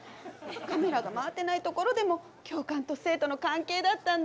カメラが回ってないところでも教官と生徒の関係だったんだよ。